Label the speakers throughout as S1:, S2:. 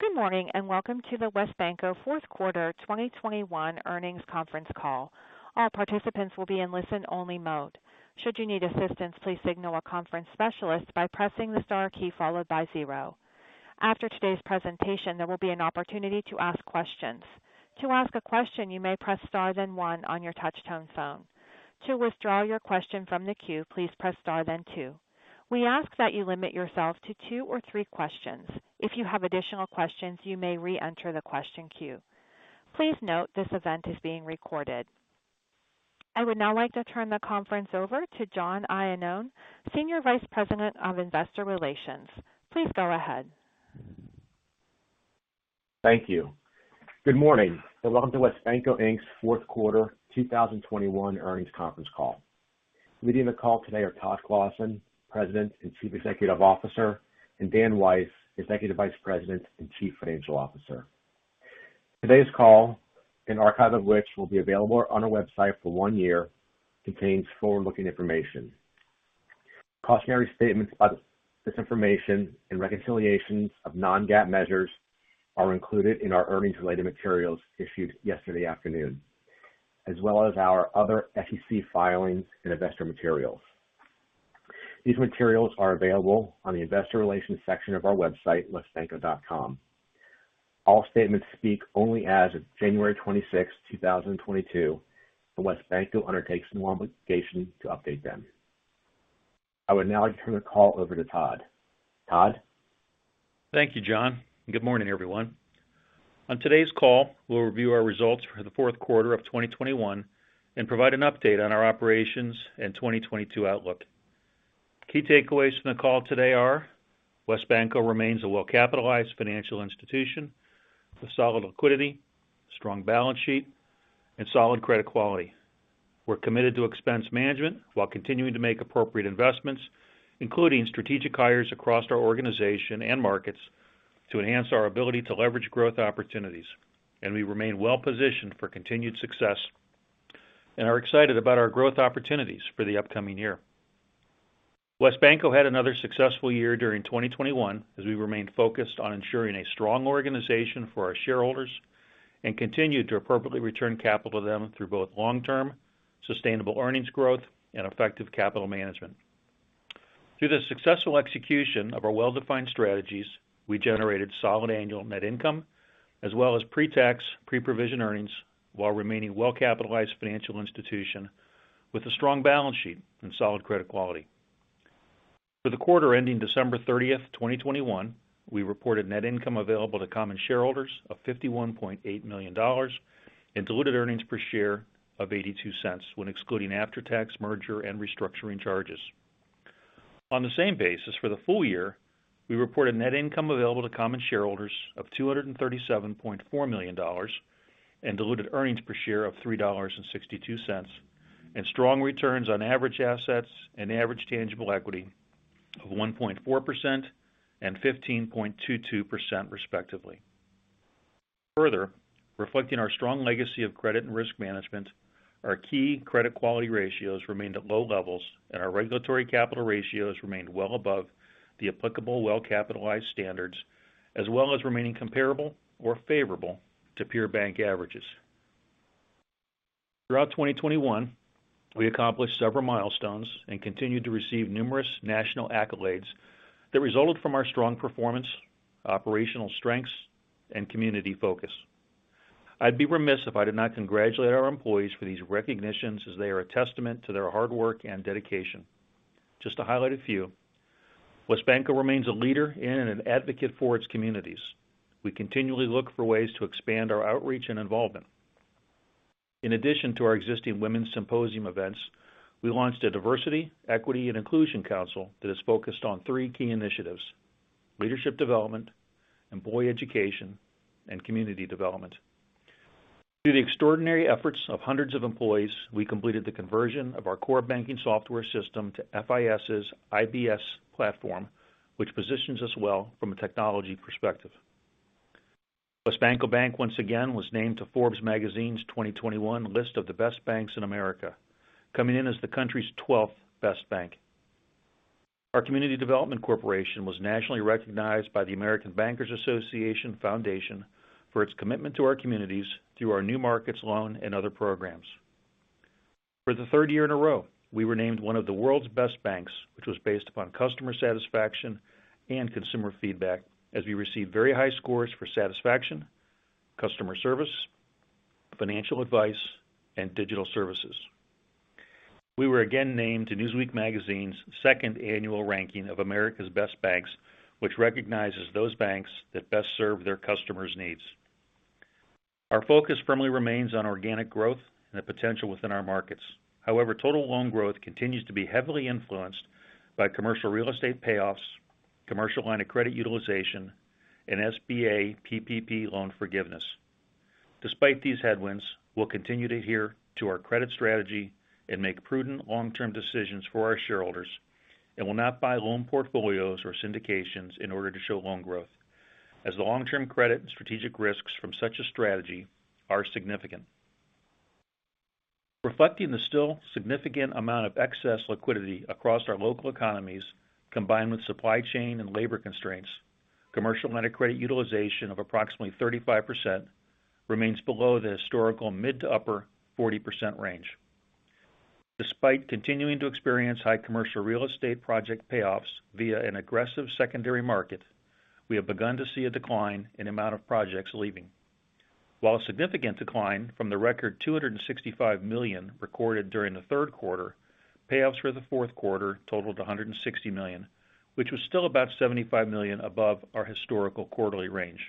S1: Good morning, and welcome to the WesBanco fourth quarter 2021 earnings conference call. All participants will be in listen-only mode. Should you need assistance, please signal a conference specialist by pressing the star key followed by zero. After today's presentation, there will be an opportunity to ask questions. To ask a question, you may press star then one on your touchtone phone. To withdraw your question from the queue, please press star then two. We ask that you limit yourself to two or three questions. If you have additional questions, you may re-enter the question queue. Please note this event is being recorded. I would now like to turn the conference over to John Iannone, Senior Vice President of Investor Relations. Please go ahead.
S2: Thank you. Good morning, and welcome to WesBanco, Inc.'s fourth quarter 2021 earnings conference call. Leading the call today are Todd Clossin, President and Chief Executive Officer, and Dan Weiss, Executive Vice President and Chief Financial Officer. Today's call, an archive of which will be available on our website for one year, contains forward-looking information. Cautionary statements about this information and reconciliations of non-GAAP measures are included in our earnings related materials issued yesterday afternoon, as well as our other SEC filings and investor materials. These materials are available on the investor relations section of our website, wesbanco.com. All statements speak only as of January 26th, 2022, and WesBanco undertakes no obligation to update them. I would now like to turn the call over to Todd. Todd.
S3: Thank you, John, and good morning, everyone. On today's call, we'll review our results for the fourth quarter of 2021 and provide an update on our operations and 2022 outlook. Key takeaways from the call today are WesBanco remains a well-capitalized financial institution with solid liquidity, strong balance sheet, and solid credit quality. We're committed to expense management while continuing to make appropriate investments, including strategic hires across our organization and markets to enhance our ability to leverage growth opportunities. We remain well-positioned for continued success and are excited about our growth opportunities for the upcoming year. WesBanco had another successful year during 2021, as we remained focused on ensuring a strong organization for our shareholders and continued to appropriately return capital to them through both long-term sustainable earnings growth and effective capital management. Through the successful execution of our well-defined strategies, we generated solid annual net income as well as pre-tax, pre-provision earnings, while remaining well-capitalized financial institution with a strong balance sheet and solid credit quality. For the quarter ending December 30th, 2021, we reported net income available to common shareholders of $51.8 million and diluted earnings per share of $0.82 when excluding after-tax merger and restructuring charges. On the same basis for the full year, we reported net income available to common shareholders of $237.4 million and diluted earnings per share of $3.62, and strong returns on average assets and average tangible equity of 1.4% and 15.22%, respectively. Further, reflecting our strong legacy of credit and risk management, our key credit quality ratios remained at low levels, and our regulatory capital ratios remained well above the applicable well-capitalized standards, as well as remaining comparable or favorable to peer bank averages. Throughout 2021, we accomplished several milestones and continued to receive numerous national accolades that resulted from our strong performance, operational strengths, and community focus. I'd be remiss if I did not congratulate our employees for these recognitions as they are a testament to their hard work and dedication. Just to highlight a few, WesBanco remains a leader in and an advocate for its communities. We continually look for ways to expand our outreach and involvement. In addition to our existing women's symposium events, we launched a diversity, equity, and inclusion council that is focused on three key initiatives: leadership development, employee education, and community development. Through the extraordinary efforts of hundreds of employees, we completed the conversion of our core banking software system to FIS's, IBS platform, which positions us well from a technology perspective. WesBanco Bank once again was named to Forbes magazine's 2021 list of the best banks in America, coming in as the country's 12th best bank. Our Community Development Corporation was nationally recognized by the American Bankers Association Foundation for its commitment to our communities through our new markets loan and other programs. For the third year in a row, we were named one of the world's best banks, which was based upon customer satisfaction and consumer feedback as we received very high scores for satisfaction, customer service, financial advice, and digital services. We were again named to Newsweek magazine's second annual ranking of America's Best Banks, which recognizes those banks that best serve their customers' needs. Our focus firmly remains on organic growth and the potential within our markets. However, total loan growth continues to be heavily influenced by commercial real estate payoffs, commercial line of credit utilization, and SBA PPP loan forgiveness. Despite these headwinds, we'll continue to adhere to our credit strategy and make prudent long-term decisions for our shareholders and will not buy loan portfolios or syndications in order to show loan growth, as the long-term credit and strategic risks from such a strategy are significant. Reflecting the still significant amount of excess liquidity across our local economies, combined with supply chain and labor constraints, commercial line of credit utilization of approximately 35% remains below the historical mid- to upper-40% range. Despite continuing to experience high commercial real estate project payoffs via an aggressive secondary market, we have begun to see a decline in amount of projects leaving. While a significant decline from the record $265 million recorded during the third quarter, payoffs for the fourth quarter totaled $160 million, which was still about $75 million above our historical quarterly range.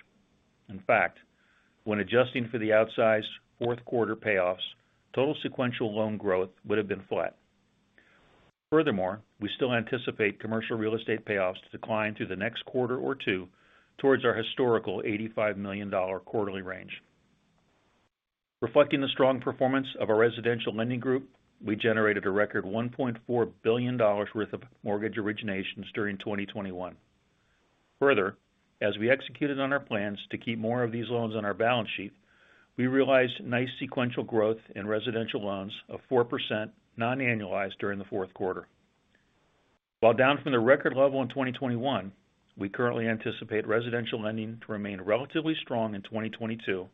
S3: In fact, when adjusting for the outsized fourth quarter payoffs, total sequential loan growth would have been flat. Furthermore, we still anticipate commercial real estate payoffs to decline through the next quarter or two towards our historical $85 million quarterly range. Reflecting the strong performance of our residential lending group, we generated a record $1.4 billion worth of mortgage originations during 2021. Further, as we executed on our plans to keep more of these loans on our balance sheet, we realized nice sequential growth in residential loans of 4% non-annualized during the fourth quarter. While down from the record level in 2021, we currently anticipate residential lending to remain relatively strong in 2022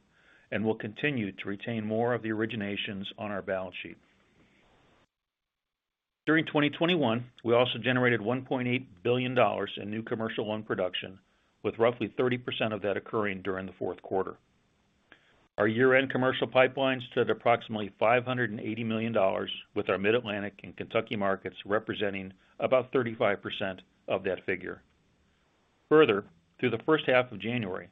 S3: and will continue to retain more of the originations on our balance sheet. During 2021, we also generated $1.8 billion in new commercial loan production, with roughly 30% of that occurring during the fourth quarter. Our year-end commercial pipeline stood at approximately $580 million, with our Mid-Atlantic and Kentucky markets representing about 35% of that figure. Further, through the first half of January,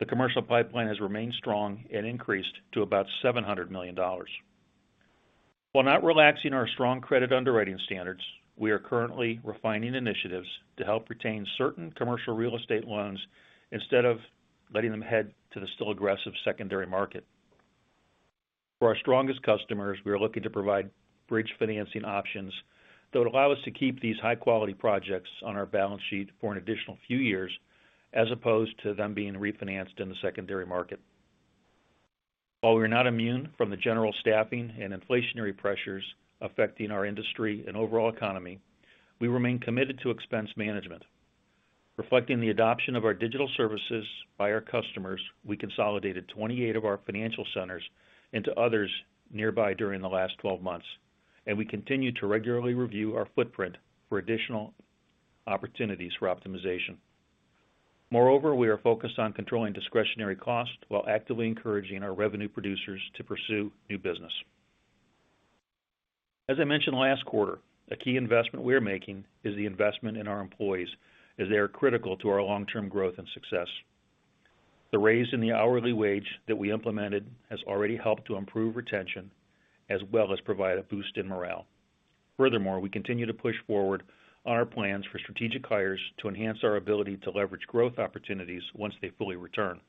S3: the commercial pipeline has remained strong and increased to about $700 million. While not relaxing our strong credit underwriting standards, we are currently refining initiatives to help retain certain commercial real estate loans instead of letting them head to the still aggressive secondary market. For our strongest customers, we are looking to provide bridge financing options that would allow us to keep these high-quality projects on our balance sheet for an additional few years, as opposed to them being refinanced in the secondary market. While we are not immune from the general staffing and inflationary pressures affecting our industry and overall economy, we remain committed to expense management. Reflecting the adoption of our digital services by our customers, we consolidated 28 of our financial centers into others nearby during the last 12 months, and we continue to regularly review our footprint for additional opportunities for optimization. Moreover, we are focused on controlling discretionary costs while actively encouraging our revenue producers to pursue new business. As I mentioned last quarter, a key investment we are making is the investment in our employees, as they are critical to our long-term growth and success. The raise in the hourly wage that we implemented has already helped to improve retention as well as provide a boost in morale. Furthermore, we continue to push forward on our plans for strategic hires to enhance our ability to leverage growth opportunities once they fully return.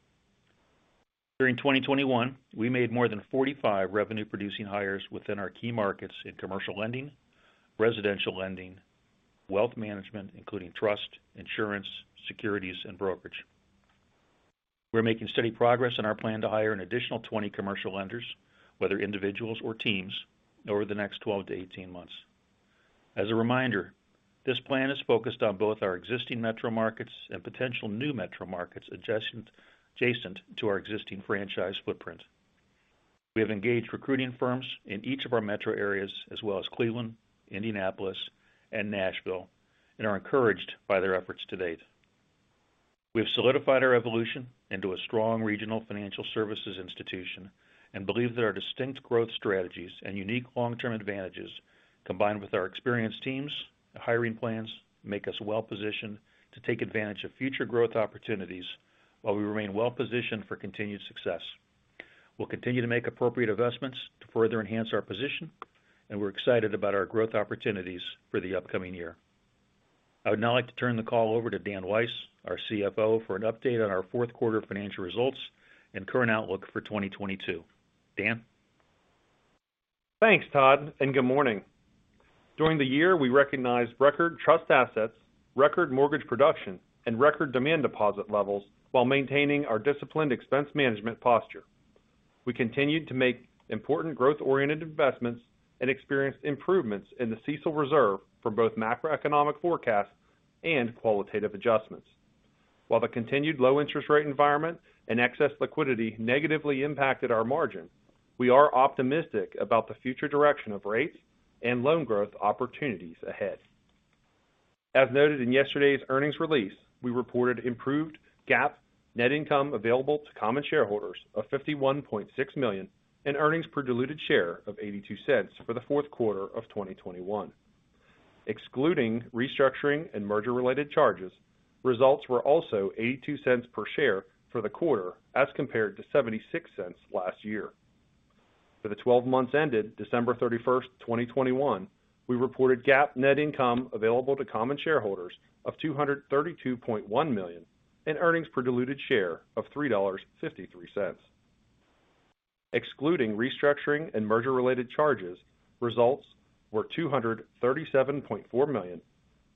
S3: During 2021, we made more than 45 revenue producing hires within our key markets in commercial lending, residential lending, wealth management, including trust, insurance, securities, and brokerage. We're making steady progress in our plan to hire an additional 20 commercial lenders, whether individuals or teams, over the next 12-18 months. As a reminder, this plan is focused on both our existing metro markets and potential new metro markets adjacent to our existing franchise footprint. We have engaged recruiting firms in each of our metro areas as well as Cleveland, Indianapolis, and Nashville, and are encouraged by their efforts to date. We have solidified our evolution into a strong regional financial services institution and believe that our distinct growth strategies and unique long-term advantages, combined with our experienced teams and hiring plans, make us well positioned to take advantage of future growth opportunities while we remain well-positioned for continued success. We'll continue to make appropriate investments to further enhance our position, and we're excited about our growth opportunities for the upcoming year. I would now like to turn the call over to Dan Weiss, our CFO, for an update on our fourth quarter financial results and current outlook for 2022. Dan?
S4: Thanks, Todd, and good morning. During the year, we recognized record trust assets, record mortgage production, and record demand deposit levels while maintaining our disciplined expense management posture. We continued to make important growth-oriented investments and experienced improvements in the CECL reserve for both macroeconomic forecasts and qualitative adjustments. While the continued low interest rate environment and excess liquidity negatively impacted our margin, we are optimistic about the future direction of rates and loan growth opportunities ahead. As noted in yesterday's earnings release, we reported improved GAAP net income available to common shareholders of $51.6 million and earnings per diluted share of $0.82 for the fourth quarter of 2021. Excluding restructuring and merger-related charges, results were also $0.82 per share for the quarter as compared to $0.76 last year. For the 12 months ended December 31st, 2021, we reported GAAP net income available to common shareholders of $232.1 million and earnings per diluted share of $3.53. Excluding restructuring and merger-related charges, results were $237.4 million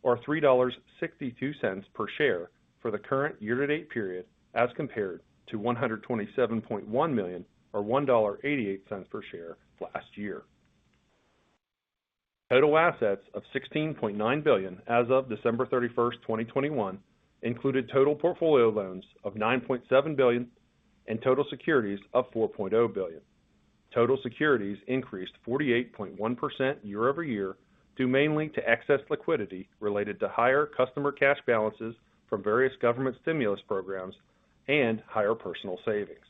S4: or $3.62 per share for the current year-to-date period, as compared to $127.1 million or $1.88 per share last year. Total assets of $16.9 billion as of December 31st, 2021 included total portfolio loans of $9.7 billion and total securities of $4 billion. Total securities increased 48.1% year-over-year, due mainly to excess liquidity related to higher customer cash balances from various government stimulus programs and higher personal savings.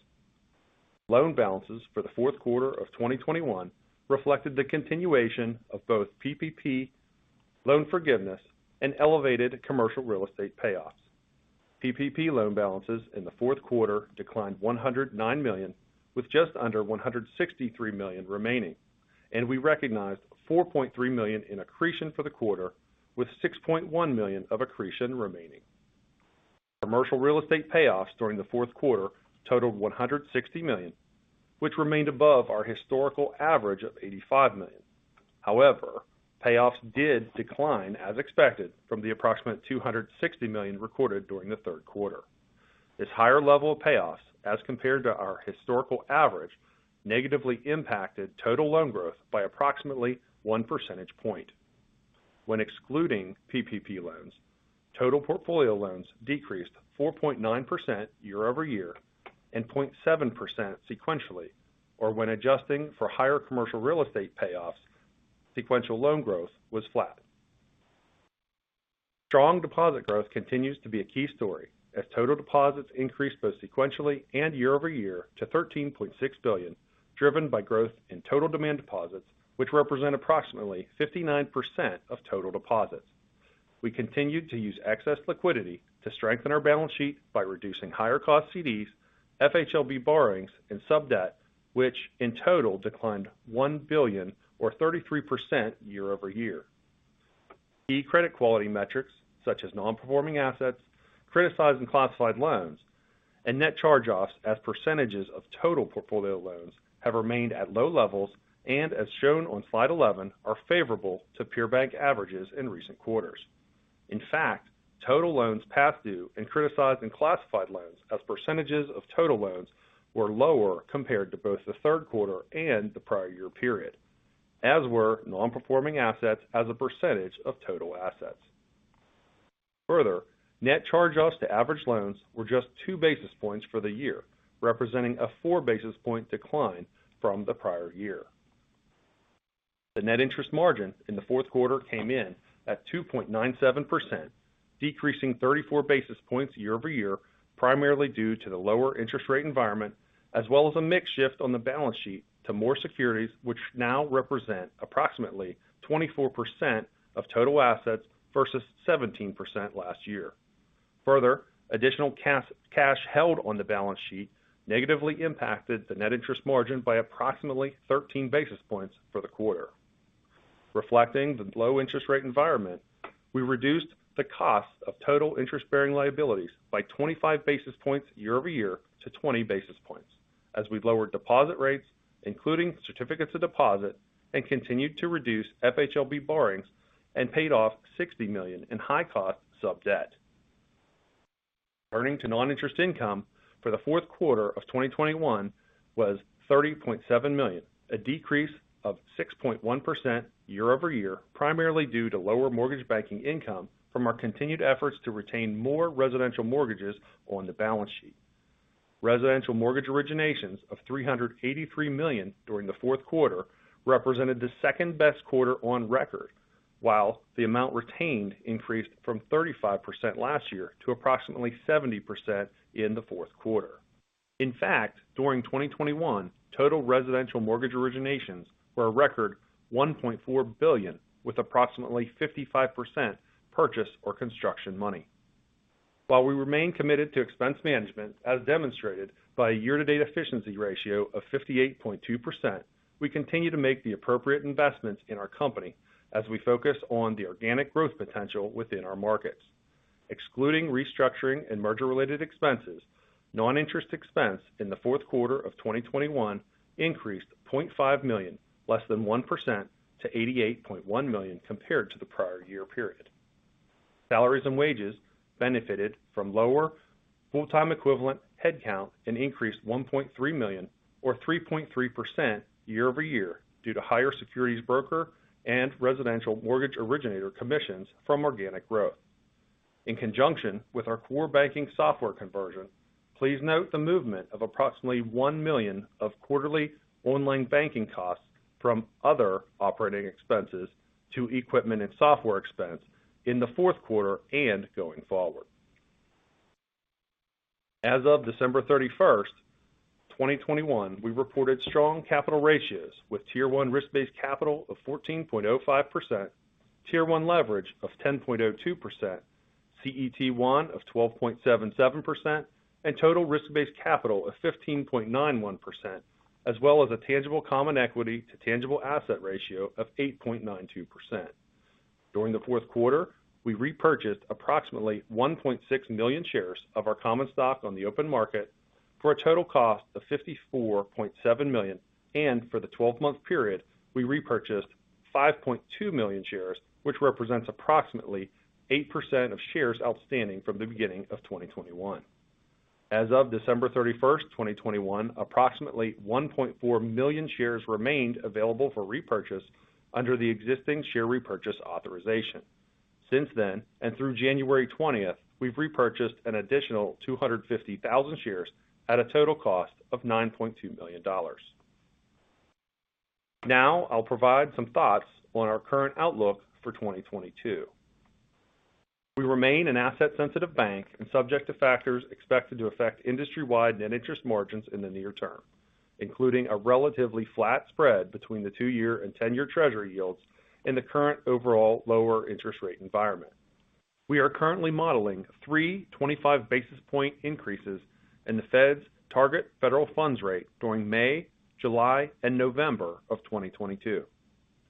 S4: Loan balances for the fourth quarter of 2021 reflected the continuation of both PPP loan forgiveness and elevated commercial real estate payoffs. PPP loan balances in the fourth quarter declined $109 million, with just under $163 million remaining, and we recognized $4.3 million in accretion for the quarter, with $6.1 million of accretion remaining. Commercial real estate payoffs during the fourth quarter totaled $160 million, which remained above our historical average of $85 million. However, payoffs did decline as expected from the approximate $260 million recorded during the third quarter. This higher level of payoffs, as compared to our historical average, negatively impacted total loan growth by approximately one percentage point. When excluding PPP loans, total portfolio loans decreased 4.9% year-over-year and 0.7% sequentially. When adjusting for higher commercial real estate payoffs, sequential loan growth was flat. Strong deposit growth continues to be a key story as total deposits increased both sequentially and year-over-year to $13.6 billion, driven by growth in total demand deposits, which represent approximately 59% of total deposits. We continued to use excess liquidity to strengthen our balance sheet by reducing higher cost CDs, FHLB borrowings, and sub-debt, which in total declined $1 billion or 33% year-over-year. Key credit quality metrics such as non-performing assets, criticized and classified loans, and net charge offs as percentages of total portfolio loans have remained at low levels, and as shown on slide 11, are favorable to peer bank averages in recent quarters. In fact, total loans past due and criticized and classified loans as percentages of total loans were lower compared to both the third quarter and the prior year period, as were non-performing assets as a percentage of total assets. Further, net charge offs to average loans were just two basis points for the year, representing a four basis point decline from the prior year. The net interest margin in the fourth quarter came in at 2.97%, decreasing 34 basis points year over year, primarily due to the lower interest rate environment, as well as a mix shift on the balance sheet to more securities, which now represent approximately 24% of total assets versus 17% last year. Further, additional cash held on the balance sheet negatively impacted the net interest margin by approximately 13 basis points for the quarter. Reflecting the low interest rate environment, we reduced the cost of total interest-bearing liabilities by 25 basis points year-over-year to 20 basis points as we lowered deposit rates, including certificates of deposit, and continued to reduce FHLB borrowings and paid off $60 million in high-cost sub-debt. Turning to noninterest income for the fourth quarter of 2021 was $30.7 million, a decrease of 6.1% year-over-year, primarily due to lower mortgage banking income from our continued efforts to retain more residential mortgages on the balance sheet. Residential mortgage originations of $383 million during the fourth quarter represented the second best quarter on record, while the amount retained increased from 35% last year to approximately 70% in the fourth quarter. In fact, during 2021, total residential mortgage originations were a record $1.4 billion, with approximately 55% purchase or construction money. While we remain committed to expense management as demonstrated by a year-to-date efficiency ratio of 58.2%, we continue to make the appropriate investments in our company as we focus on the organic growth potential within our markets. Excluding restructuring and merger-related expenses, non-interest expense in the fourth quarter of 2021 increased $0.5 million, less than 1% to $88.1 million compared to the prior year period. Salaries and wages benefited from lower full-time equivalent headcount and increased $1.3 million or 3.3% year-over-year due to higher securities broker and residential mortgage originator commissions from organic growth. In conjunction with our core banking software conversion, please note the movement of approximately $1 million of quarterly online banking costs from other operating expenses to equipment and software expense in the fourth quarter and going forward. As of December 31st, 2021, we reported strong capital ratios with Tier 1 risk-based capital of 14.05%, Tier 1 leverage of 10.02%, CET1 of 12.77%, and total risk-based capital of 15.91%, as well as a tangible common equity to tangible asset ratio of 8.92%. During the fourth quarter, we repurchased approximately 1.6 million shares of our common stock on the open market. For a total cost of $54.7 million, and for the twelve-month period, we repurchased 5.2 million shares, which represents approximately 8% of shares outstanding from the beginning of 2021. As of December 31st, 2021, approximately 1.4 million shares remained available for repurchase under the existing share repurchase authorization. Since then, and through January 20, we've repurchased an additional 250,000 shares at a total cost of $9.2 million. Now I'll provide some thoughts on our current outlook for 2022. We remain an asset-sensitive bank and subject to factors expected to affect industry-wide net interest margins in the near term, including a relatively flat spread between the two-year and 10-year treasury yields in the current overall lower interest rate environment. We are currently modeling three 25 basis point increases in the Fed's target federal funds rate during May, July, and November of 2022.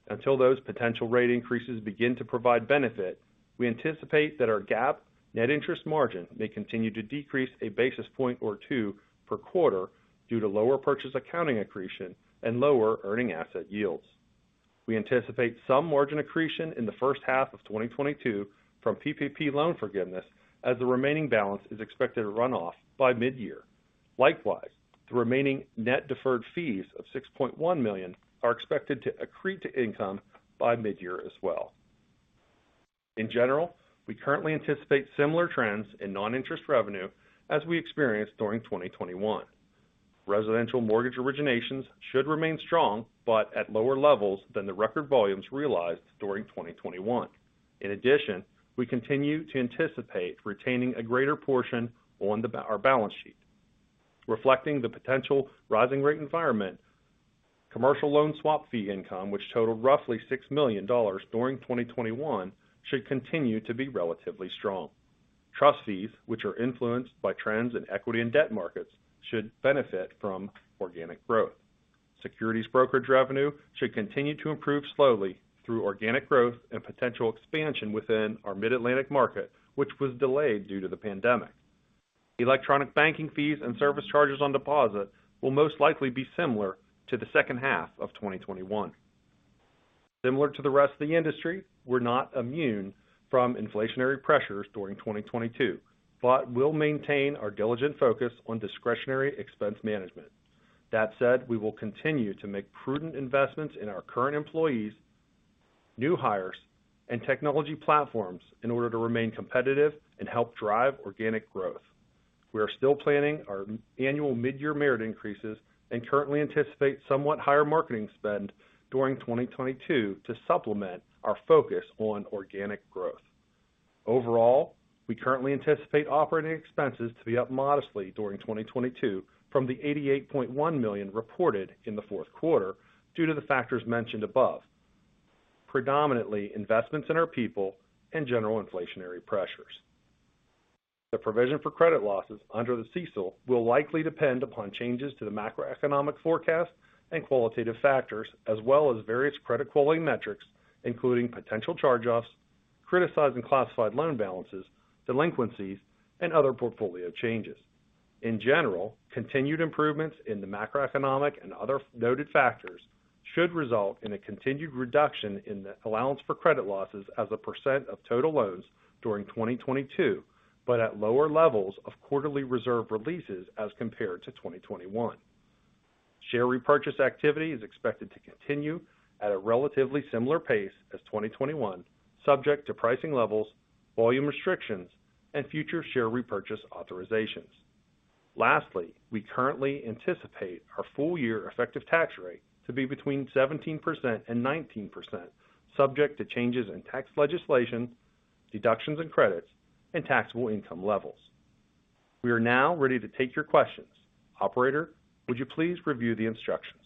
S4: Until those potential rate increases begin to provide benefit, we anticipate that our GAAP net interest margin may continue to decrease one basis point or two per quarter due to lower purchase accounting accretion and lower earning asset yields. We anticipate some margin accretion in the first half of 2022 from PPP loan forgiveness as the remaining balance is expected to run off by mid-year. Likewise, the remaining net deferred fees of $6.1 million are expected to accrete to income by mid-year as well. In general, we currently anticipate similar trends in non-interest revenue as we experienced during 2021. Residential mortgage originations should remain strong, but at lower levels than the record volumes realized during 2021. In addition, we continue to anticipate retaining a greater portion on our balance sheet. Reflecting the potential rising rate environment, commercial loan swap fee income, which totaled roughly $6 million during 2021, should continue to be relatively strong. Trust fees, which are influenced by trends in equity and debt markets, should benefit from organic growth. Securities brokerage revenue should continue to improve slowly through organic growth and potential expansion within our Mid-Atlantic market, which was delayed due to the pandemic. Electronic banking fees and service charges on deposit will most likely be similar to the second half of 2021. Similar to the rest of the industry, we're not immune from inflationary pressures during 2022, but we'll maintain our diligent focus on discretionary expense management. That said, we will continue to make prudent investments in our current employees, new hires, and technology platforms in order to remain competitive and help drive organic growth. We are still planning our annual mid-year merit increases and currently anticipate somewhat higher marketing spend during 2022 to supplement our focus on organic growth. Overall, we currently anticipate operating expenses to be up modestly during 2022 from the $88.1 million reported in the fourth quarter due to the factors mentioned above, predominantly investments in our people and general inflationary pressures. The provision for credit losses under the CECL will likely depend upon changes to the macroeconomic forecast and qualitative factors, as well as various credit quality metrics, including potential charge-offs, criticized and classified loan balances, delinquencies, and other portfolio changes. In general, continued improvements in the macroeconomic and other noted factors should result in a continued reduction in the allowance for credit losses as a percent of total loans during 2022, but at lower levels of quarterly reserve releases as compared to 2021. Share repurchase activity is expected to continue at a relatively similar pace as 2021, subject to pricing levels, volume restrictions, and future share repurchase authorizations. Lastly, we currently anticipate our full year effective tax rate to be between 17% and 19% subject to changes in tax legislation, deductions and credits, and taxable income levels. We are now ready to take your questions. Operator, would you please review the instructions?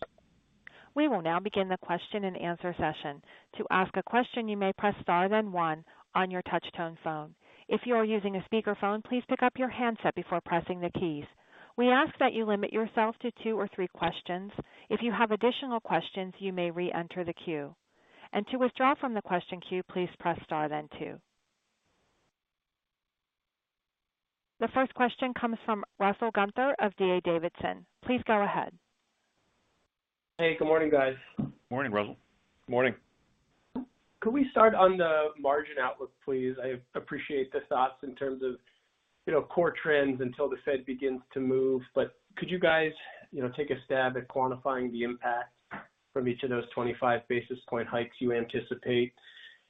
S1: We will now begin the question and answer session. To ask a question, you may press star, then one on your touchtone phone. If you are using a speakerphone, please pick up your handset before pressing the keys. We ask that you limit yourself to two or three questions. If you have additional questions, you may re-enter the queue. To withdraw from the question queue, please press star, then two. The first question comes from Russell Gunther of D.A. Davidson. Please go ahead.
S5: Hey, good morning, guys.
S3: Morning, Russell.
S4: Morning.
S5: Could we start on the margin outlook, please? I appreciate the thoughts in terms of, you know, core trends until the Fed begins to move. Could you guys, you know, take a stab at quantifying the impact from each of those 25 basis point hikes you anticipate?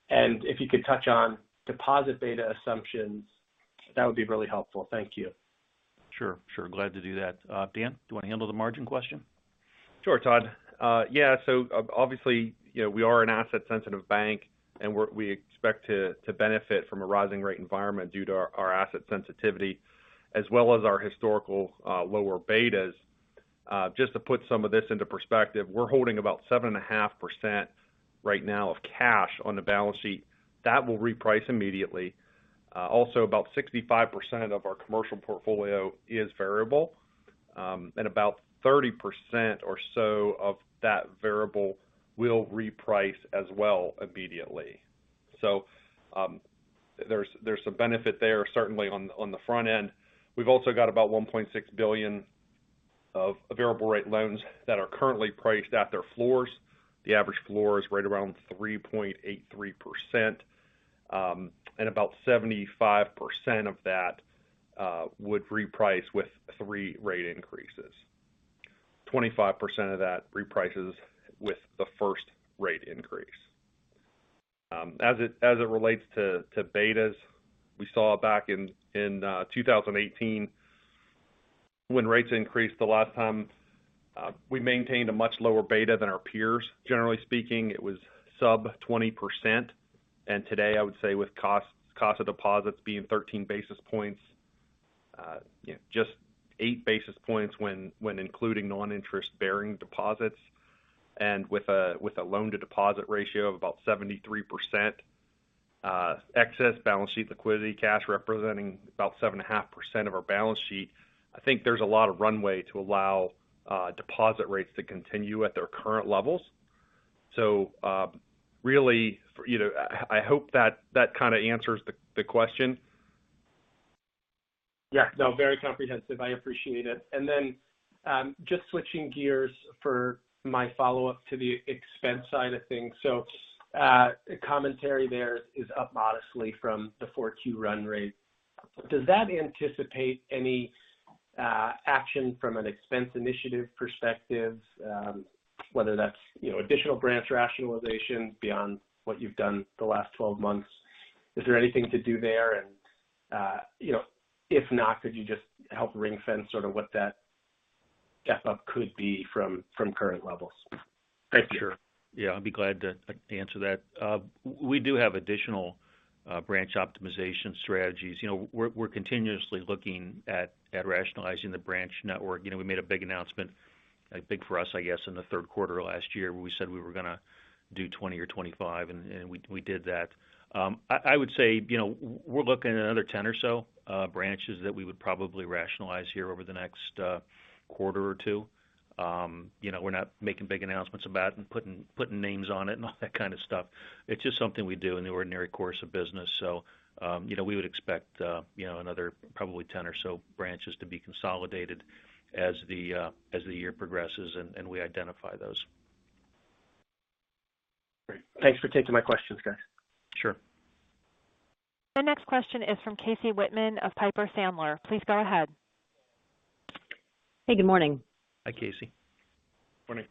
S5: If you could touch on deposit beta assumptions, that would be really helpful. Thank you.
S3: Sure. Glad to do that. Dan, do you want to handle the margin question?
S4: Sure, Todd. Yeah. Obviously, you know, we are an asset-sensitive bank, and we expect to benefit from a rising rate environment due to our asset sensitivity as well as our historical lower betas. Just to put some of this into perspective, we're holding about 7.5% right now of cash on the balance sheet. That will reprice immediately. Also, about 65% of our commercial portfolio is variable, and about 30% or so of that variable will reprice as well immediately. There's some benefit there certainly on the front end. We've also got about $1.6 billion of variable rate loans that are currently priced at their floors. The average floor is right around 3.83%, and about 75% of that would reprice with thee rate increases. 25% of that reprices with the first rate increase. As it relates to betas, we saw back in 2018 when rates increased the last time, we maintained a much lower beta than our peers. Generally speaking, it was sub 20%. Today, I would say with cost of deposits being 13 basis points, you know, just eight basis points when including non-interest-bearing deposits and with a loan to deposit ratio of about 73%, excess balance sheet liquidity cash representing about 7.5% of our balance sheet. I think there's a lot of runway to allow deposit rates to continue at their current levels. Really, you know, I hope that kind of answers the question.
S5: Yeah. No, very comprehensive. I appreciate it. Just switching gears for my follow-up to the expense side of things. Commentary there is up modestly from the 4Q run rate. Does that anticipate any action from an expense initiative perspective? Whether that's, you know, additional branch rationalization beyond what you've done the last 12 months, is there anything to do there? If not, could you just help ring fence sort of what that step up could be from current levels? Thank you.
S3: Sure. Yeah, I'll be glad to answer that. We do have additional branch optimization strategies. You know, we're continuously looking at rationalizing the branch network. You know, we made a big announcement, like, big for us, I guess, in the third quarter of last year where we said we were gonna do 20 or 25, and we did that. I would say, you know, we're looking at another 10 or so branches that we would probably rationalize here over the next quarter or two. You know, we're not making big announcements about it and putting names on it and all that kind of stuff. It's just something we do in the ordinary course of business. You know, we would expect another probably 10 or so branches to be consolidated as the year progresses and we identify those.
S5: Great. Thanks for taking my questions, guys.
S3: Sure.
S1: The next question is from Casey Whitman of Piper Sandler. Please go ahead.
S6: Hey, good morning.
S3: Hi, Casey.
S4: Morning.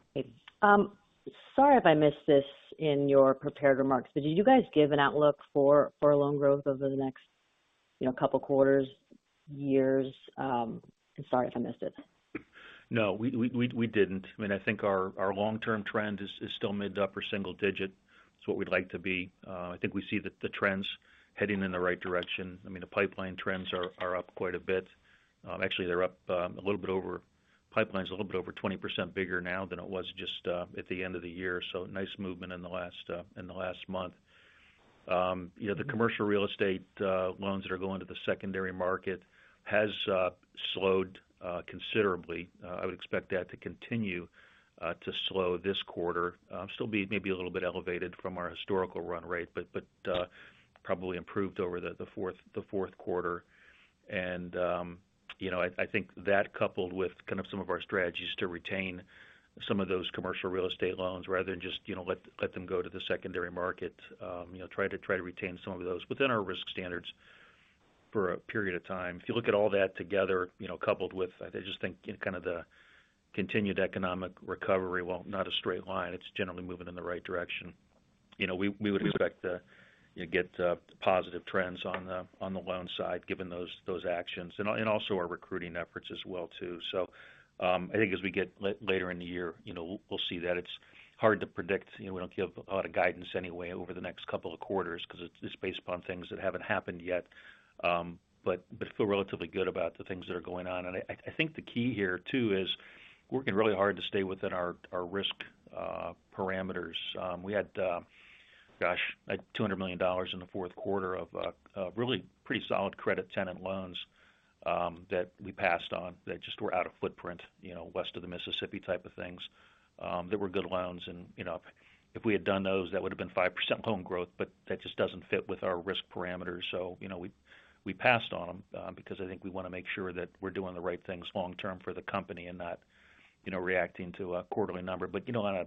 S6: Sorry if I missed this in your prepared remarks, but did you guys give an outlook for loan growth over the next, you know, couple quarters, years? Sorry if I missed it.
S3: No, we didn't. I mean, I think our long-term trend is still mid- to upper-single-digit. It's what we'd like to be. I think we see the trends heading in the right direction. I mean, the pipeline trends are up quite a bit. Actually, the pipeline's a little bit over 20% bigger now than it was just at the end of the year. So nice movement in the last month. You know, the commercial real estate loans that are going to the secondary market has slowed considerably. I would expect that to continue to slow this quarter. Still be maybe a little bit elevated from our historical run rate, but probably improved over the fourth quarter. I think that coupled with kind of some of our strategies to retain some of those commercial real estate loans rather than just, you know, let them go to the secondary market. You know, try to retain some of those within our risk standards for a period of time. If you look at all that together, you know, coupled with, I just think kind of the continued economic recovery, while not a straight line, it's generally moving in the right direction. You know, we would expect to, you know, get positive trends on the loan side given those actions and also our recruiting efforts as well, too. I think as we get later in the year, you know, we'll see that. It's hard to predict. You know, we don't give a lot of guidance anyway over the next couple of quarters because it's based upon things that haven't happened yet. We feel relatively good about the things that are going on. I think the key here too is working really hard to stay within our risk parameters. We had like $200 million in the fourth quarter of really pretty solid credit tenant loans that we passed on that just were out of footprint, you know, west of the Mississippi type of things. They were good loans and you know if we had done those, that would have been 5% loan growth, but that just doesn't fit with our risk parameters. You know, we passed on them because I think we want to make sure that we're doing the right things long term for the company and not, you know, reacting to a quarterly number. You know, on a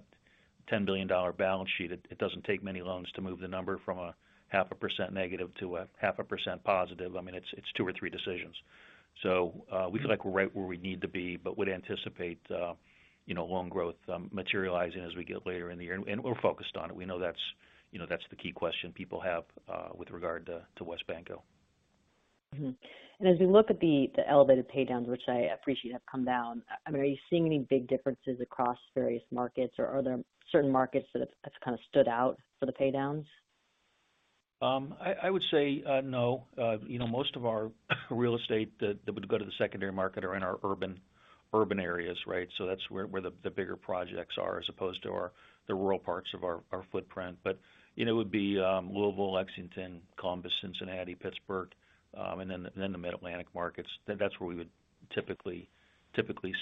S3: $10 billion balance sheet, it doesn't take many loans to move the number from a -0.5% to a +0.5%. I mean, it's two or three decisions. We feel like we're right where we need to be but would anticipate you know loan growth materializing as we get later in the year. We're focused on it. We know that's you know that's the key question people have with regard to WesBanco.
S6: As we look at the elevated pay downs, which I appreciate have come down, I mean, are you seeing any big differences across various markets, or are there certain markets that have kind of stood out for the pay downs?
S3: I would say no. You know, most of our real estate that would go to the secondary market are in our urban areas, right? That's where the bigger projects are as opposed to the rural parts of our footprint. You know, it would be Louisville, Lexington, Columbus, Cincinnati, Pittsburgh, and then the Mid-Atlantic markets. That's where we would typically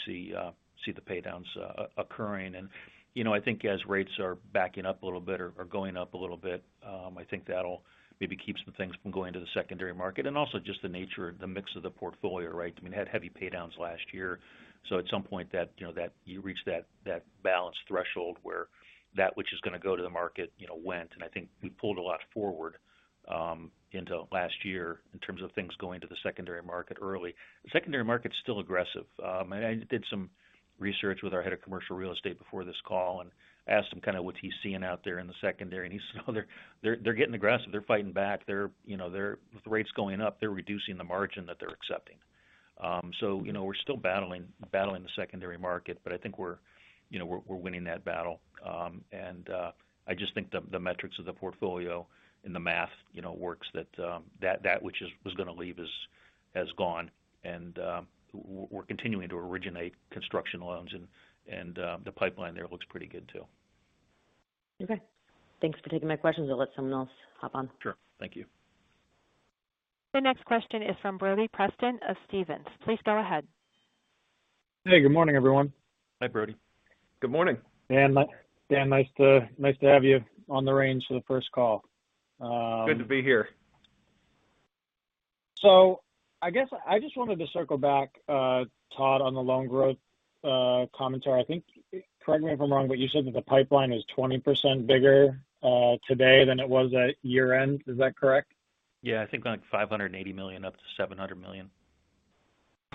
S3: see the paydowns occurring. You know, I think as rates are backing up a little bit or going up a little bit, I think that'll maybe keep some things from going to the secondary market. Also just the nature, the mix of the portfolio, right? I mean, we had heavy paydowns last year. At some point that you reach that balance threshold where that which is gonna go to the market, you know, went. I think we pulled a lot forward into last year in terms of things going to the secondary market early. The secondary market's still aggressive. I did some research with our head of commercial real estate before this call and asked him kind of what he's seeing out there in the secondary. He said, "Oh, they're getting aggressive. They're fighting back. You know, with rates going up, they're reducing the margin that they're accepting." You know, we're still battling the secondary market, but I think we're winning that battle. I just think the metrics of the portfolio and the math, you know, works that which was gonna leave has gone. We're continuing to originate construction loans and the pipeline there looks pretty good too.
S6: Okay. Thanks for taking my questions. I'll let someone else hop on.
S3: Sure. Thank you.
S1: The next question is from Brody Preston of Stephens. Please go ahead.
S7: Hey, good morning, everyone.
S3: Hi, Brody.
S4: Good morning.
S7: Dan, nice to have you taking the reins for the first call.
S4: Good to be here.
S7: I guess I just wanted to circle back, Todd, on the loan growth commentary. I think, correct me if I'm wrong, but you said that the pipeline is 20% bigger today than it was at year-end. Is that correct?
S3: Yeah. I think like $580 million-$700 million.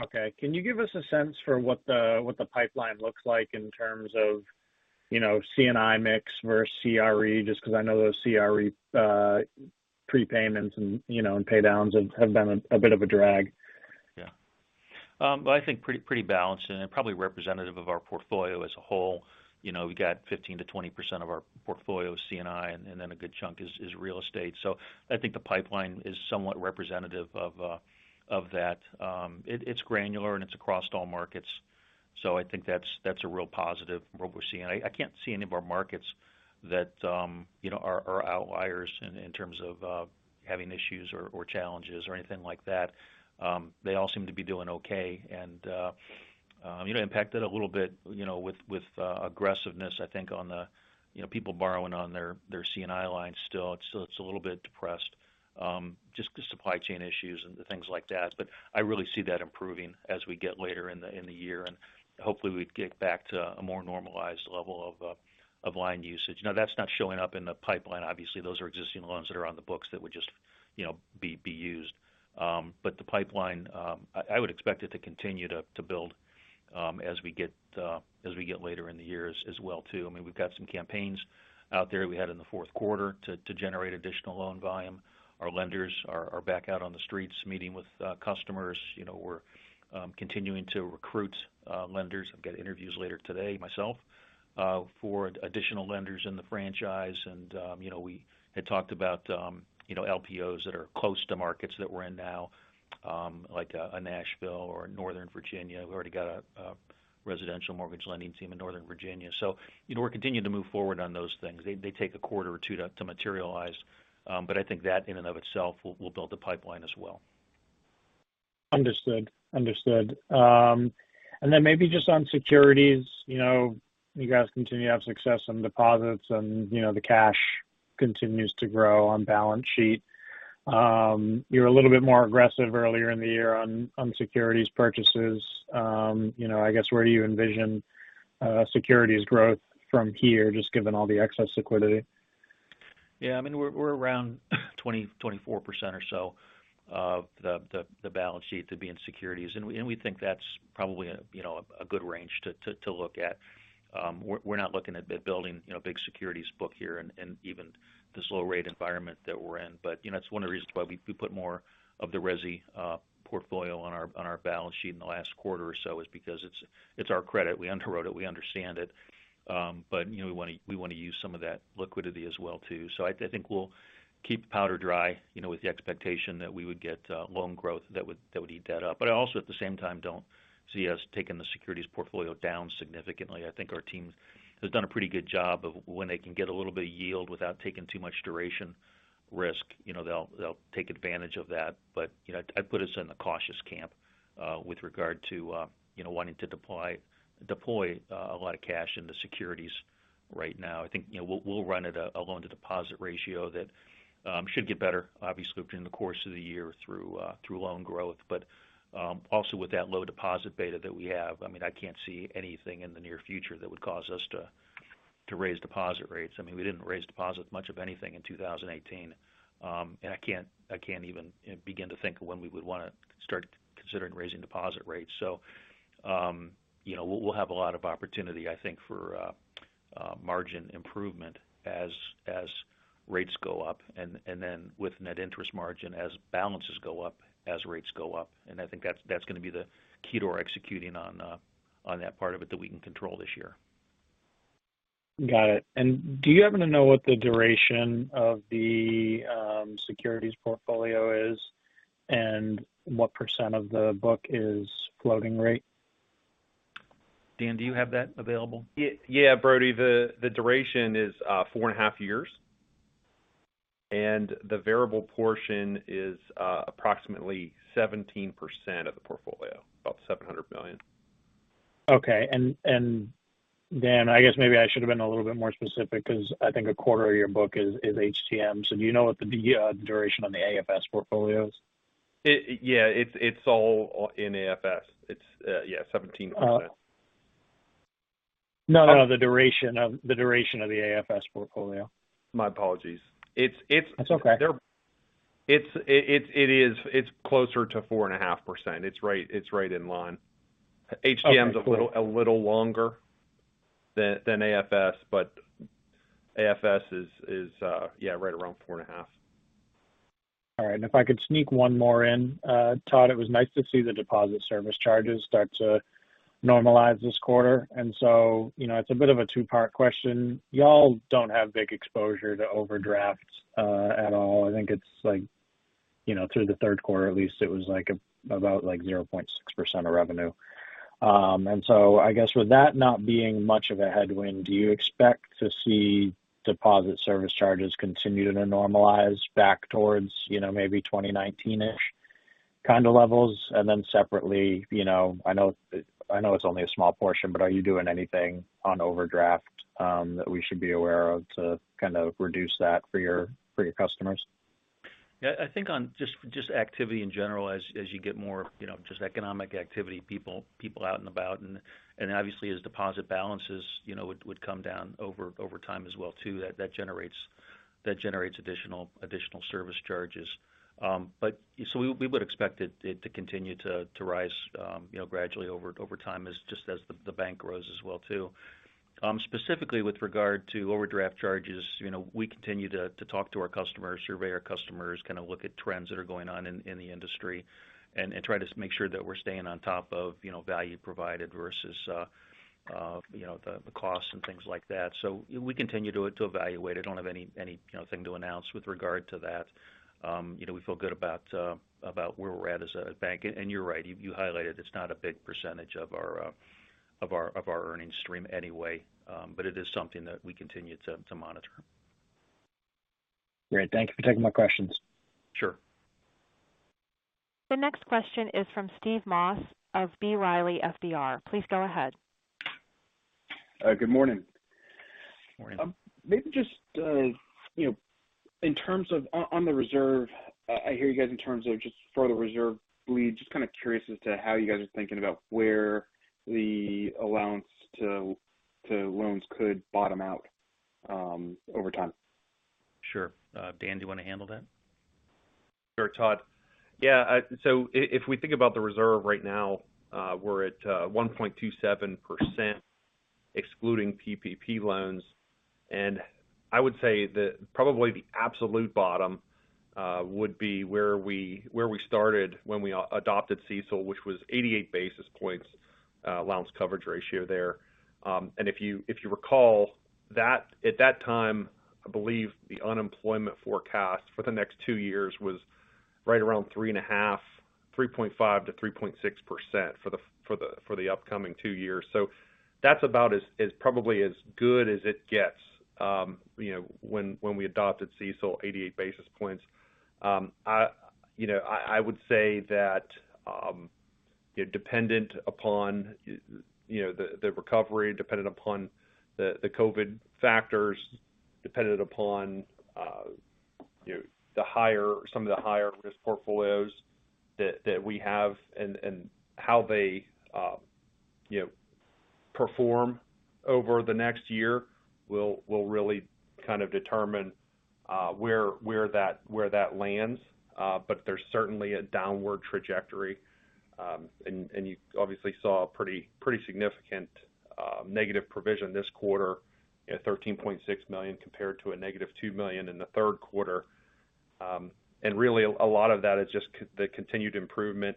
S7: Okay. Can you give us a sense for what the pipeline looks like in terms of, you know, C&I mix versus CRE, just because I know those CRE prepayments and, you know, paydowns have been a bit of a drag.
S3: Yeah. I think pretty balanced and probably representative of our portfolio as a whole. You know, we got 15%-20% of our portfolio is C&I, and then a good chunk is real estate. I think the pipeline is somewhat representative of that. It's granular, and it's across all markets. I think that's a real positive from what we're seeing. I can't see any of our markets that you know, are outliers in terms of having issues or challenges or anything like that. They all seem to be doing okay. You know, impacted a little bit, you know, with aggressiveness, I think on the people borrowing on their C&I lines still. It's a little bit depressed, just the supply chain issues and things like that. I really see that improving as we get later in the year, and hopefully we'd get back to a more normalized level of line usage. Now, that's not showing up in the pipeline. Obviously, those are existing loans that are on the books that would just, you know, be used. The pipeline, I would expect it to continue to build as we get later in the years as well too. I mean, we've got some campaigns out there we had in the fourth quarter to generate additional loan volume. Our lenders are back out on the streets meeting with customers. You know, we're continuing to recruit lenders. I've got interviews later today myself for additional lenders in the franchise. You know, we had talked about you know, LPOs that are close to markets that we're in now, like a Nashville or Northern Virginia. We've already got a residential mortgage lending team in Northern Virginia. You know, we're continuing to move forward on those things. They take a quarter or two to materialize. I think that in and of itself will build the pipeline as well.
S7: Understood. Maybe just on securities. You know, you guys continue to have success on deposits and, you know, the cash continues to grow on balance sheet. You were a little bit more aggressive earlier in the year on securities purchases. You know, I guess, where do you envision securities growth from here, just given all the excess liquidity?
S3: Yeah. I mean, we're around 20%-24% or so of the balance sheet to be in securities. We think that's probably a good range, you know, to look at. We're not looking at building, you know, big securities book here and even this low rate environment that we're in. You know, it's one of the reasons why we put more of the resi portfolio on our balance sheet in the last quarter or so, is because it's our credit. We underwrote it, we understand it. You know, we wanna use some of that liquidity as well too. I think we'll keep powder dry, you know, with the expectation that we would get loan growth that would eat that up. I also at the same time don't see us taking the securities portfolio down significantly. I think our team has done a pretty good job of when they can get a little bit of yield without taking too much duration risk, you know, they'll take advantage of that. You know, I'd put us in the cautious camp with regard to you know wanting to deploy a lot of cash in the securities right now. I think, you know, we'll run at a loan-to-deposit ratio that should get better, obviously, during the course of the year through loan growth. Also with that low deposit beta that we have, I mean, I can't see anything in the near future that would cause us to raise deposit rates. I mean, we didn't raise deposit much of anything in 2018. I can't even begin to think of when we would wanna start considering raising deposit rates. You know, we'll have a lot of opportunity, I think, for margin improvement as rates go up and then with net interest margin as balances go up, as rates go up. I think that's gonna be the key to our executing on that part of it that we can control this year.
S7: Got it. Do you happen to know what the duration of the securities portfolio is, and what percent of the book is floating rate?
S3: Dan, do you have that available?
S4: Yeah, Brody. The duration is four and a half years. The variable portion is approximately 17% of the portfolio, about $700 million.
S7: Okay. Dan, I guess maybe I should have been a little bit more specific because I think a quarter of your book is HTM. Do you know what the duration on the AFS portfolio is?
S4: Yeah. It's all in AFS. It's 17%.
S7: No, no, the duration of the AFS portfolio.
S4: My apologies. It's
S7: That's okay.
S4: It's closer to 4.5%. It's right in line.
S7: Okay, cool.
S4: HTM is a little longer than AFS, but AFS is right around 4.5%.
S7: All right. If I could sneak one more in. Todd, it was nice to see the deposit service charges start to normalize this quarter. You know, it's a bit of a two-part question. Y'all don't have big exposure to overdrafts at all. I think it's like, you know, through the third quarter, at least it was like about like 0.6% of revenue. I guess with that not being much of a headwind, do you expect to see deposit service charges continue to normalize back towards, you know, maybe 2019-ish kind of levels? Separately, you know, I know it's only a small portion, but are you doing anything on overdraft that we should be aware of to kind of reduce that for your customers?
S3: Yeah. I think on just activity in general as you get more, you know, just economic activity, people out and about. Obviously as deposit balances, you know, would come down over time as well too, that generates additional service charges. We would expect it to continue to rise, you know, gradually over time as the bank grows as well too. Specifically with regard to overdraft charges, you know, we continue to talk to our customers, survey our customers, kind of look at trends that are going on in the industry and try to make sure that we're staying on top of, you know, value provided versus, you know, the costs and things like that. We continue to evaluate it. I don't have any, you know, thing to announce with regard to that. You know, we feel good about where we're at as a bank. You're right, you highlighted it's not a big percentage of our earnings stream anyway. But it is something that we continue to monitor.
S7: Great. Thank you for taking my questions.
S3: Sure.
S1: The next question is from Steve Moss of B. Riley Securities. Please go ahead.
S8: Good morning.
S3: Morning.
S8: Maybe just, you know, in terms of the reserve, I hear you guys in terms of just for the reserve build, just kind of curious as to how you guys are thinking about where the allowance to loans could bottom out over time.
S3: Sure. Dan, do you want to handle that?
S4: Sure, Todd. Yeah. If we think about the reserve right now, we're at 1.27% excluding PPP loans. I would say that probably the absolute bottom would be where we started when we adopted CECL, which was 88 basis points allowance coverage ratio there. If you recall that at that time, I believe the unemployment forecast for the next two years was right around 3.5%, 3.5%-3.6% for the upcoming two years. That's about as probably as good as it gets, you know, when we adopted CECL 88 basis points. I would say that, you know, dependent upon the recovery, dependent upon the COVID factors, dependent upon, you know, some of the higher risk portfolios that we have and how they, you know, perform over the next year will really kind of determine where that lands. There's certainly a downward trajectory. You obviously saw a pretty significant negative provision this quarter at $13.6 million compared to a negative $2 million in the third quarter. Really a lot of that is just the continued improvement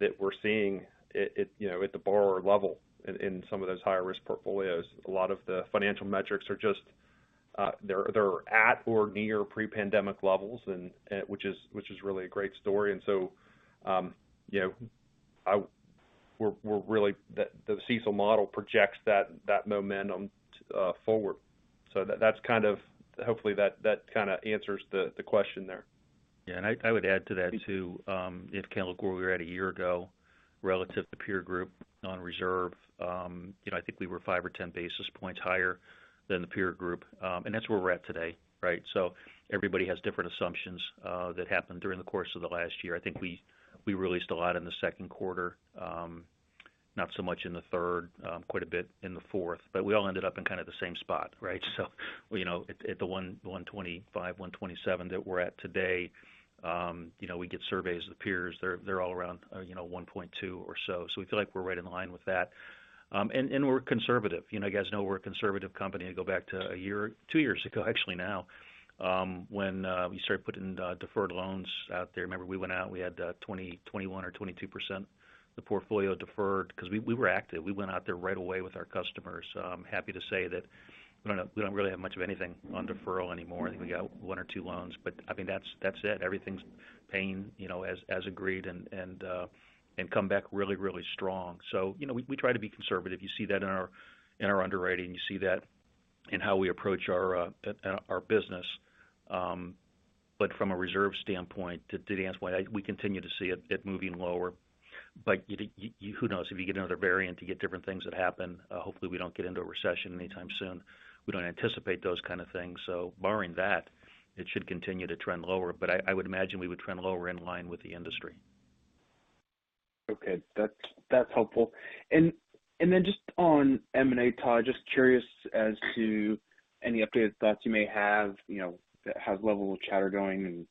S4: that we're seeing at, you know, at the borrower level in some of those higher risk portfolios. A lot of the financial metrics are just, they're at or near pre-pandemic levels, which is really a great story. You know, the CECL model projects that momentum forward. That's kind of, hopefully, that kind of answers the question there.
S3: Yeah. I would add to that, too, if you kinda look where we were at a year ago relative to peer group on reserve, you know, I think we were five or 10 basis points higher than the peer group. That's where we're at today, right? Everybody has different assumptions that happened during the course of the last year. I think we released a lot in the second quarter, not so much in the third, quite a bit in the fourth. We all ended up in kind of the same spot, right? You know, at the 125, 127 that we're at today, you know, we get surveys of the peers. They're all around, you know, 1.2 or so. We feel like we're right in line with that. We're conservative. You know, you guys know we're a conservative company and go back to a year, two years ago, actually now, when we started putting deferred loans out there. Remember, we went out and we had 21% or 22% of the portfolio deferred because we were active. We went out there right away with our customers. I'm happy to say that we don't really have much of anything on deferral anymore. I think we got one or two loans, but I think that's it. Everything's paying, you know, as agreed and come back really strong. You know, we try to be conservative. You see that in our underwriting. You see that in how we approach our business. From a reserve standpoint, to Dan's point, we continue to see it moving lower. Who knows? If you get another variant, you get different things that happen. Hopefully, we don't get into a recession anytime soon. We don't anticipate those kind of things. Barring that, it should continue to trend lower. I would imagine we would trend lower in line with the industry.
S8: Okay. That's helpful. Then just on M&A, Todd, just curious as to any updated thoughts you may have, you know, how's level of chatter going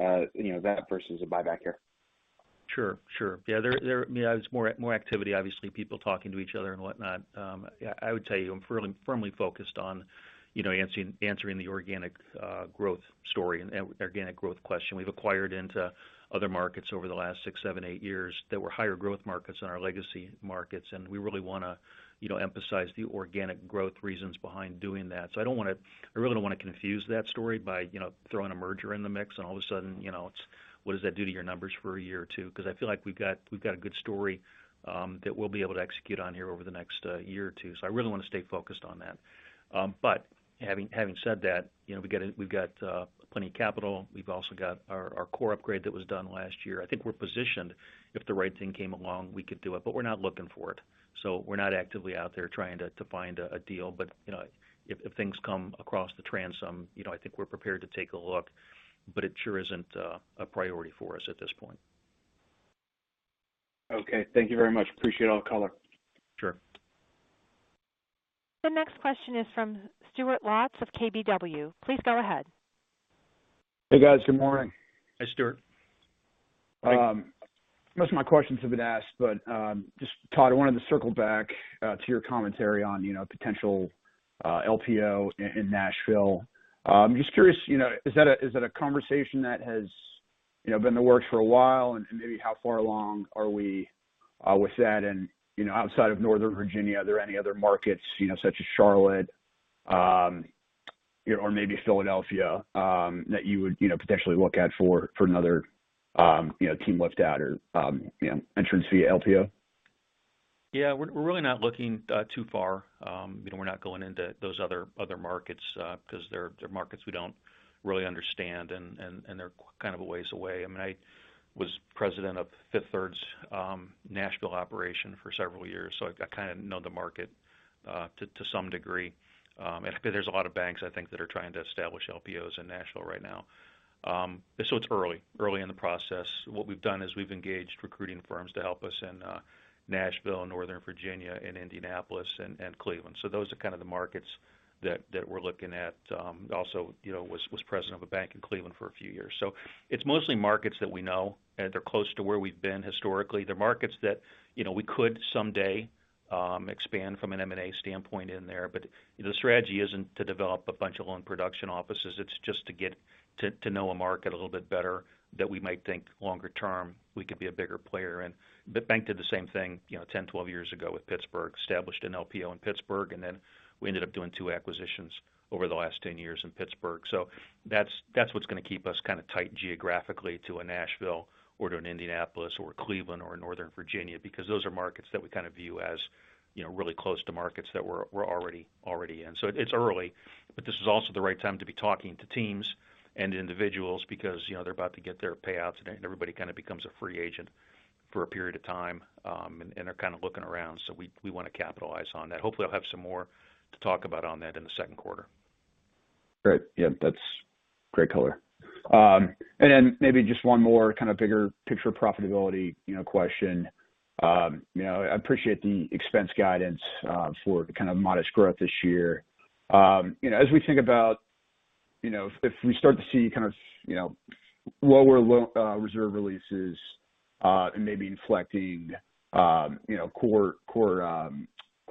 S8: and, you know, that versus a buyback here.
S3: Sure. Yeah, you know, there's more activity, obviously people talking to each other and whatnot. Yeah, I would tell you, I'm firmly focused on, you know, answering the organic growth story and organic growth question. We've acquired into other markets over the last six, seven, eight years that were higher growth markets than our legacy markets. We really wanna, you know, emphasize the organic growth reasons behind doing that. I don't wanna, I really don't wanna confuse that story by, you know, throwing a merger in the mix and all of a sudden, you know, it's what does that do to your numbers for a year or two. Because I feel like we've got a good story that we'll be able to execute on here over the next year or two. I really wanna stay focused on that. Having said that, you know, we've got plenty of capital. We've also got our core upgrade that was done last year. I think we're positioned if the right thing came along, we could do it, but we're not looking for it. We're not actively out there trying to find a deal. You know, if things come across the transom, you know, I think we're prepared to take a look, but it sure isn't a priority for us at this point.
S8: Okay, thank you very much. Appreciate all the color.
S3: Sure.
S1: The next question is from Stuart Lotz of KBW. Please go ahead.
S9: Hey, guys. Good morning.
S3: Hi, Stuart.
S9: Most of my questions have been asked, but just Todd, I wanted to circle back to your commentary on, you know, potential LPO in Nashville. Just curious, you know, is that a conversation that has, you know, been in the works for a while? And maybe how far along are we with that? And, you know, outside of Northern Virginia, are there any other markets, you know, such as Charlotte or maybe Philadelphia, that you would, you know, potentially look at for another team lift out or entrance via LPO?
S3: Yeah. We're really not looking too far. You know, we're not going into those other markets because they're markets we don't really understand and they're kind of a ways away. I mean, I was president of Fifth Third's Nashville operation for several years, so I kind of know the market to some degree. There's a lot of banks, I think, that are trying to establish LPOs in Nashville right now. It's early in the process. What we've done is we've engaged recruiting firms to help us in Nashville and Northern Virginia and Indianapolis and Cleveland. Those are kind of the markets that we're looking at. Also, you know, I was president of a bank in Cleveland for a few years. It's mostly markets that we know, and they're close to where we've been historically. They're markets that, you know, we could someday expand from an M&A standpoint in there. The strategy isn't to develop a bunch of loan production offices. It's just to get to know a market a little bit better that we might think longer term we could be a bigger player in. The bank did the same thing, you know, 10, 12 years ago with Pittsburgh, established an LPO in Pittsburgh, and then we ended up doing two acquisitions over the last 10 years in Pittsburgh. That's what's gonna keep us kind of tight geographically to a Nashville or to an Indianapolis or Cleveland or Northern Virginia, because those are markets that we kind of view as, you know, really close to markets that we're already in. It's early, but this is also the right time to be talking to teams and individuals because, you know, they're about to get their payouts and everybody kind of becomes a free agent for a period of time, and they're kind of looking around, so we wanna capitalize on that. Hopefully, I'll have some more to talk about on that in the second quarter.
S9: Great. Yeah, that's great color. Maybe just one more kind of bigger picture profitability, you know, question. You know, I appreciate the expense guidance for kind of modest growth this year. You know, as we think about, you know, if we start to see kind of, you know, lower reserve releases and maybe inflecting, you know, core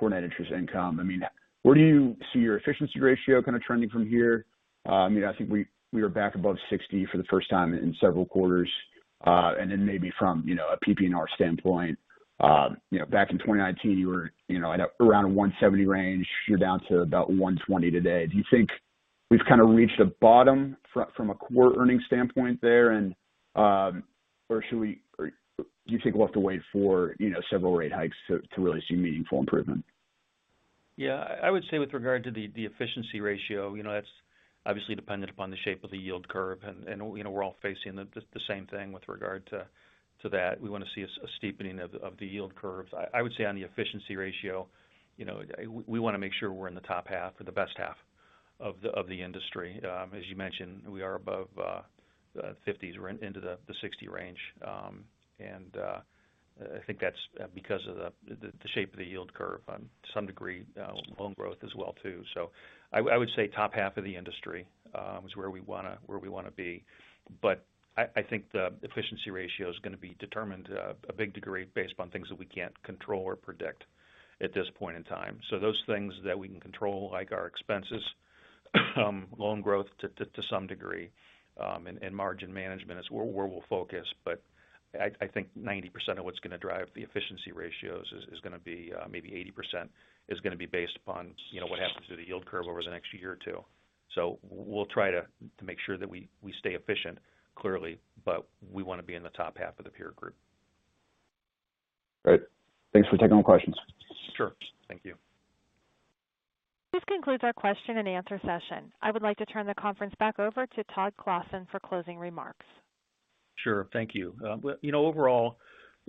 S9: net interest income, I mean, where do you see your efficiency ratio kind of trending from here? You know, I think we are back above 60% for the first time in several quarters. Maybe from, you know, a PPNR standpoint, you know, back in 2019, you were, you know, at around $170 range. You're down to about $120 today. Do you think we've kind of reached a bottom from a core earnings standpoint there? Or do you think we'll have to wait for, you know, several rate hikes to really see meaningful improvement?
S3: Yeah. I would say with regard to the efficiency ratio, you know, that's obviously dependent upon the shape of the yield curve. You know, we're all facing the same thing with regard to that. We want to see a steepening of the yield curves. I would say on the efficiency ratio, you know, we wanna make sure we're in the top half or the best half of the industry. As you mentioned, we are above 50s. We're into the 60 range. I think that's because of the shape of the yield curve to some degree, loan growth as well too. I would say top half of the industry is where we wanna be. I think the efficiency ratio is gonna be determined to a big degree based on things that we can't control or predict at this point in time. Those things that we can control, like our expenses, loan growth to some degree, and margin management is where we'll focus. I think 90% of what's gonna drive the efficiency ratios is gonna be maybe 80% is gonna be based upon, you know, what happens to the yield curve over the next year or two. We'll try to make sure that we stay efficient, clearly, but we wanna be in the top half of the peer group.
S9: Great. Thanks for taking the questions.
S3: Sure. Thank you.
S1: This concludes our question and answer session. I would like to turn the conference back over to Todd Clossin for closing remarks.
S3: Sure. Thank you. You know, overall,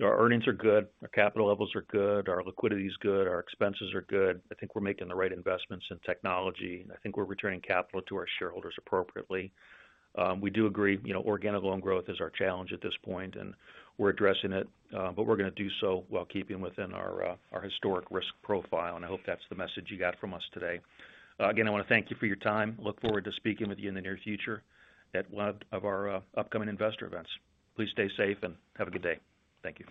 S3: our earnings are good, our capital levels are good, our liquidity is good, our expenses are good. I think we're making the right investments in technology, and I think we're returning capital to our shareholders appropriately. We do agree, you know, organic loan growth is our challenge at this point, and we're addressing it, but we're gonna do so while keeping within our historic risk profile, and I hope that's the message you got from us today. Again, I want to thank you for your time. I look forward to speaking with you in the near future at one of our upcoming investor events. Please stay safe and have a good day. Thank you.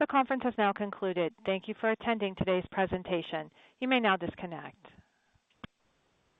S1: The conference has now concluded. Thank you for attending today's presentation. You may now disconnect.